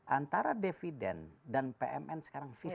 antara dividend dan pmn sekarang lima puluh lima puluh